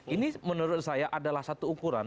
ini menurut saya adalah satu ukuran